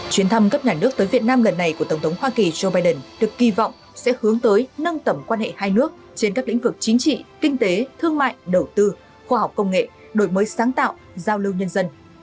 chuyến thăm cấp nhà nước tới việt nam lần này của tổng thống hoa kỳ joe biden được kỳ vọng sẽ hướng tới nâng tầm quan hệ hai nước trên các lĩnh vực chính trị kinh tế thương mại đầu tư khoa học công nghệ đổi mới sáng tạo giao lưu nhân dân